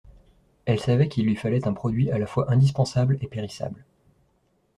Elle savait qu’il lui fallait un produit à la fois indispensable et périssable.